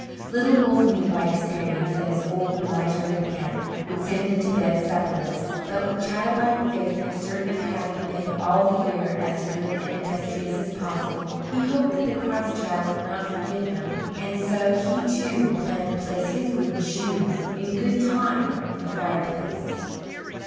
Little Wolff knew by experience that his old miser of an aunt would send him to bed supperless, but, with childlike faith and certain of having been, all the year, as good and industrious as possible, he hoped that the Christ Child would not forget him, and so he, too, planned to place his wooden shoes in good time in the fireplace.